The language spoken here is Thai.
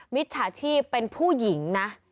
มิจฉาชีพเป็นผู้หญิงนะ